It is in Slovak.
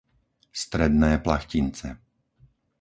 Stredné Plachtince